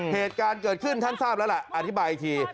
เหตุการณ์เกิดขึ้นท่านทราบแล้วล่ะอธิบายอีกที